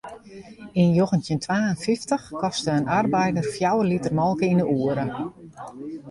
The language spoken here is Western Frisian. Yn njoggentjin twa en fyftich koste in arbeider fjouwer liter molke yn 'e oere.